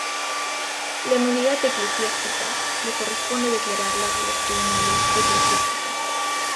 La nulidad eclesiástica le corresponde declararla a los Tribunales Eclesiásticos.